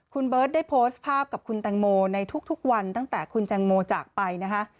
คุณเบิร์ตได้โพสต์ภาพกับคุณแตงโมในทุกวันตั้งแต่คุณแตงโมจากไปนะคะ